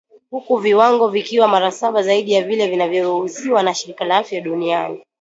Huku viwango vikiwa mara saba zaidi ya vile vinavyoruhusiwa na shirika la afya duniani.